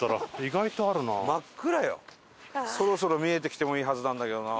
そろそろ見えてきてもいいはずなんだけどな。